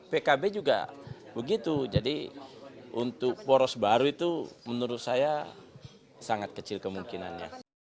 pkb juga begitu jadi untuk poros baru itu menurut saya sangat kecil kemungkinannya